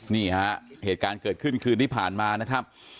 นี่ฮะเหตุการณ์เกิดขึ้นคืนที่ผ่านมานะครับ